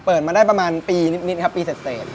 เปิดมาได้ประมาณปีนิดครับปีเสร็จ